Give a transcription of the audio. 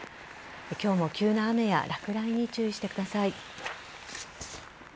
今日も急な雨や落雷に注意してください。